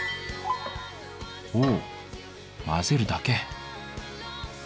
ほお混ぜるだけ！